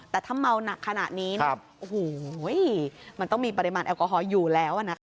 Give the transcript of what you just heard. แต่ถ้าเมาหนักขนาดนี้เนี่ยโอ้โหมันต้องมีปริมาณแอลกอฮอล์อยู่แล้วนะคะ